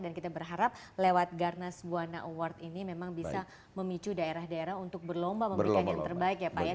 dan kita berharap lewat garnas buwana award ini memang bisa memicu daerah daerah untuk berlomba memberikan yang terbaik ya pak